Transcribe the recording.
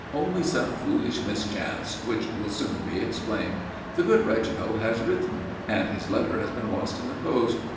"Only some foolish mischance which will soon be explained. The good Reginald has written and his letter has been lost in the post.